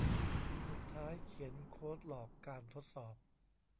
สุดท้ายเขียนโค้ดหลอกการทดสอบ